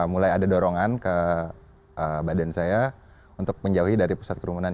mulai ada dorongan ke badan saya untuk menjauhi dari pusat kerumunan